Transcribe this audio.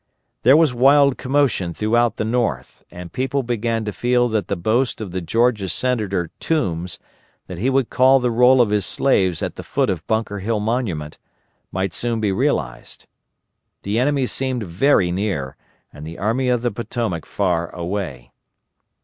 There was wild commotion throughout the North, and people began to feel that the boast of the Georgia Senator Toombs, that he would call the roll of his slaves at the foot of Bunker Hill Monument, might soon be realized. The enemy seemed very near and the Army of the Potomac far away.